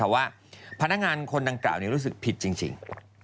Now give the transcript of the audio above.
ว่าพนักงานคนดังกล่าวนี้รู้สึกผิดจริง